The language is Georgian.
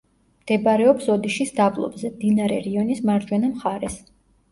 მდებარეობს ოდიშის დაბლობზე, მდინარე რიონის მარჯვენა მხარეს.